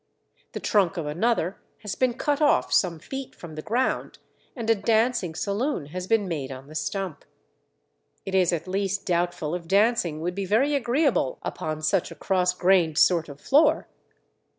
The trunk of another has been cut off some feet from the ground, and a dancing saloon has been made on the stump. It is at least doubtful if dancing would be very agreeable upon such a cross grained sort of floor!